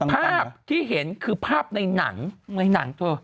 ภาพที่เห็นคือภาพในหนังในหนังเธอ